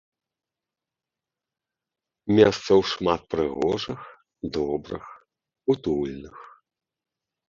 Месцаў шмат прыгожых, добрых, утульных.